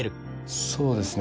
そうですね